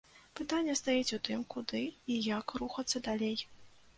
Пытанне стаіць у тым, куды і як рухацца далей.